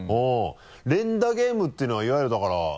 連打ゲームっていうのはいわゆるだからねぇ。